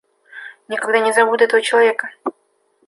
Никогда не забуду этого человека.